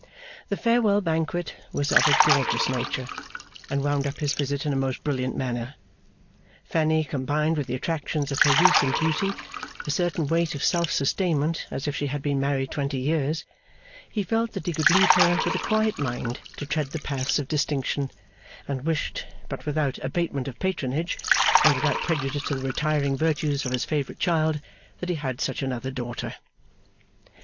The farewell banquet was of a gorgeous nature, and wound up his visit in a most brilliant manner. Fanny combined with the attractions of her youth and beauty, a certain weight of self sustainment as if she had been married twenty years. He felt that he could leave her with a quiet mind to tread the paths of distinction, and wished but without abatement of patronage, and without prejudice to the retiring virtues of his favourite child that he had such another daughter.